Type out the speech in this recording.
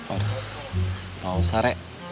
aduh gak usah rek